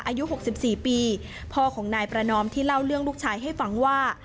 อายุ๖๔ปีพ่อของนายประนอมที่เล่าเรื่องลูกชายให้ฟังว่า